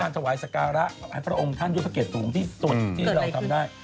ถวายสการะให้พระองค์ท่านยุทธเกียจสูงที่สุดที่เราทำได้